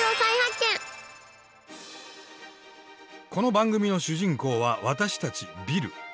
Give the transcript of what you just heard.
この番組の主人公は私たちビル。